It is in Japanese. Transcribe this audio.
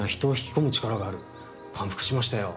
感服しましたよ。